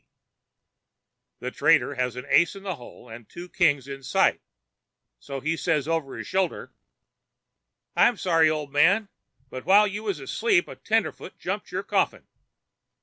b.' The trader has an ace in the hole and two kings in sight, so he says over his shoulder: "'I'm sorry, old man, but while you was asleep a tenderfoot jumped your coffin.'